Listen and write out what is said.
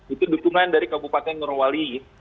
itu dukungan dari kabupaten norowali